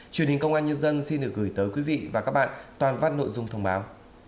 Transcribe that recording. truyền hình công an nhân dân xin được gửi tới quý vị và các bạn toàn văn nội dung thông báo